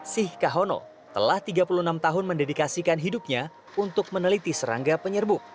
sih kahono telah tiga puluh enam tahun mendedikasikan hidupnya untuk meneliti serangga penyerbuk